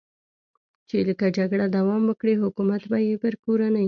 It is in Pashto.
چې که جګړه دوام وکړي، حکومت به یې پر کورنۍ.